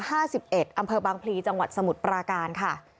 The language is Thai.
อำเภอบางพลีจังหวัดสมุทรปราการค่ะ